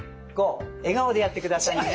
笑顔でやってくださいね。